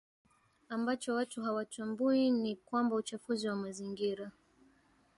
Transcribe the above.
ambacho watu hawatambui ni kwamba uchafuzi wa mazingira